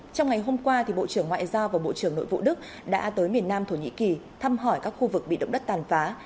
trong ngày hôm qua bộ trưởng ngoại giao và bộ trưởng nội vụ đức đã tới miền nam thổ nhĩ kỳ thăm hỏi các khu vực bị động đất tàn phá